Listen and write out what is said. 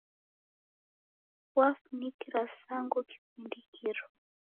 Wafunikira Sangu kifindikiro